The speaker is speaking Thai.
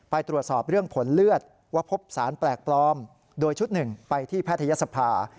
ไปตรวจสอบเรื่องผลเลือดว่าพบสารแปลกปลอมโดยชุดหนึ่งไปที่แพทยศภา